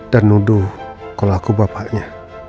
dan nuduh kalau aku bapaknya